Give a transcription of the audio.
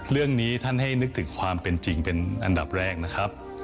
เรื่องนี้ท่านให้นึกถึงความเป็นจริงเป็นอันดับแรกนะครับ